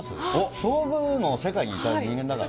勝負の世界にいた人間だからね。